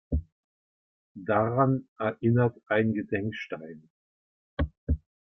Daran erinnert ein Gedenkstein.